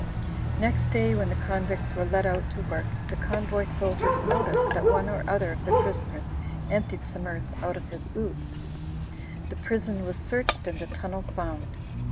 Next day, when the convicts were led out to work, the convoy soldiers noticed that one or other of the prisoners emptied some earth out of his boots. The prison was searched and the tunnel found.